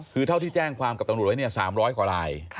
คือเท่าที่แจ้งความกับตำรวจไว้เนี่ย๓๐๐กว่าลาย